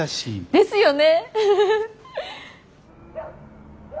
ですよね！